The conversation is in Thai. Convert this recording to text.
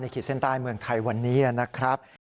ขีดเส้นใต้เมืองไทยวันนี้นะครับ